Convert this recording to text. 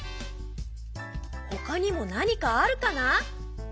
ほかにも何かあるかな？